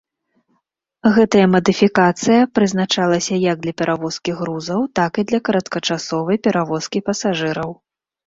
Гэтая мадыфікацыя прызначалася як для перавозкі грузаў, так і для кароткачасовай перавозкі пасажыраў.